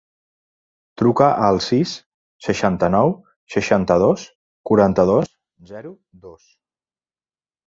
Truca al sis, seixanta-nou, seixanta-dos, quaranta-dos, zero, dos.